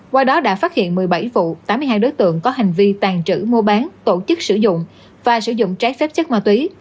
qua đó đã phát hiện một mươi bảy vụ tám mươi hai đối tượng có hành vi tàn trữ mua bán tổ chức sử dụng và sử dụng trái phép chất ma túy